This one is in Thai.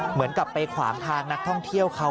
เหมือนกับไปขวางทางนักท่องเที่ยวเขา